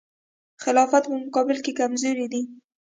خلافت په مقابل کې کمزوری دی.